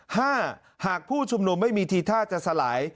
หากผู้ชุมนุมไม่มีทีท่าจะสลาย